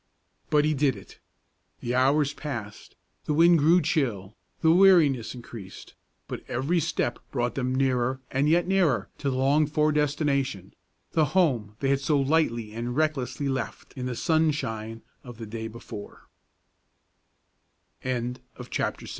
But he did it. The hours passed, the wind grew chill, the weariness increased; but every step brought them nearer and yet nearer to the longed for destination, the home they had so lightly and recklessly left in the sunshine of the